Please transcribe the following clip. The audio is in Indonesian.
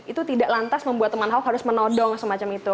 itu tidak lantas membuat teman ahok harus menodong semacam itu